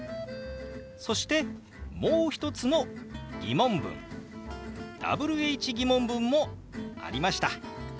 そしてもう一つの疑問文Ｗｈー疑問文もありました。